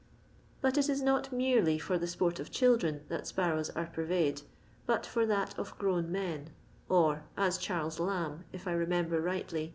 But it is not merely for the sport of children that sparrows are purveyed, but for that of grown men, or — as Charles Lamb, if I remember rightly.